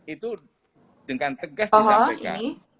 itu dengan tegas disampaikan